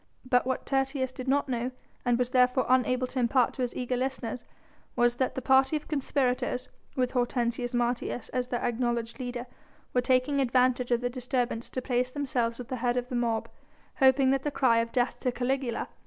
But what Tertius did not know, and was therefore unable to impart to his eager listeners was that the party of conspirators, with Hortensius Martius as their acknowledged leader, were taking advantage of the disturbance to place themselves at the head of the mob, hoping that the cry of "Death to Caligula!"